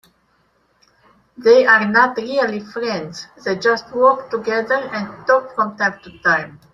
They are not really friends, they just work together and talk from time to time.